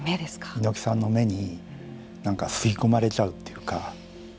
猪木さんの目になんか吸い込まれちゃうというか。